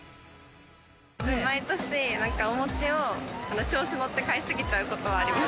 毎年お餅を調子にのって、買いすぎちゃうことがあります。